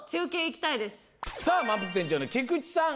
さあまんぷく店長の菊地さん！